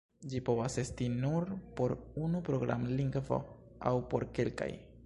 Ĝi povas esti nur por unu programlingvo aŭ por kelkaj.